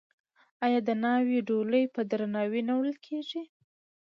آیا د ناوې ډولۍ په درناوي نه وړل کیږي؟